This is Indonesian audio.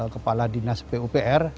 kepala dinas pupr